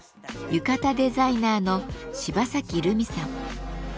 浴衣デザイナーの芝崎るみさん。